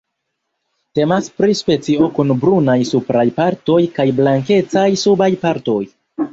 Temas pri specio kun brunaj supraj partoj kaj blankecaj subaj partoj.